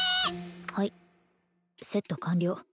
はいセット完了